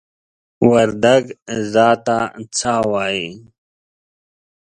وردگ "ځه" ته "څَ" وايي.